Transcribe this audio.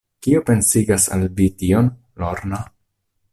Kio pensigas al vi tion, Lorna?